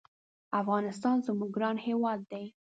افغانستان زمونږ ګران هېواد دی